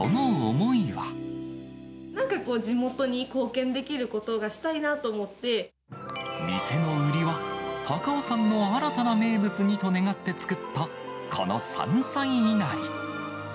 なんか地元に貢献できること店の売りは、高尾山の新たな名物にと願って作った、この山菜いなり。